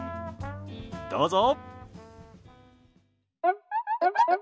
どうぞ。